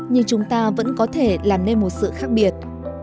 nhưng chúng ta vẫn có thể làm nên một sự khác biệt